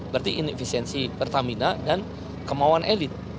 berarti ini efisiensi pertamina dan kemauan elit